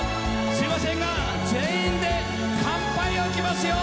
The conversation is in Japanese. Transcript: すいませんが全員で乾杯をいきますよ！